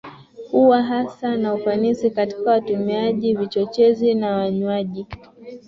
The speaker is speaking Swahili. huwa hasa na ufanisi katika watumiaji vichochezi na wanywaji